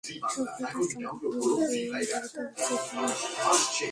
সক্রিয়তার সংজ্ঞা কিভাবে নিরধারিত হচ্ছে এখানে?